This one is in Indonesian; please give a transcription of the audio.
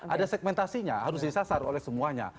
ada segmentasinya harus disasar oleh semuanya